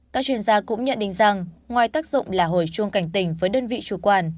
các chuyên gia cũng nhận định rằng ngoài tác dụng là hồi chuông cảnh tỉnh với đơn vị chủ quản